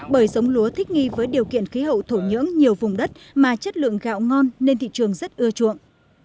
bởi giống lúa thích nghi với điều kiện khí hậu thổ nhưỡng nhiều vùng đất mà chất lượng gạo ngon nên thị trường rất ưa chuộng